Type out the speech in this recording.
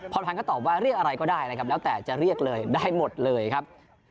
พรพันธ์ก็ตอบว่าเรียกอะไรก็ได้นะครับแล้วแต่จะเรียกเลยได้หมดเลยครับ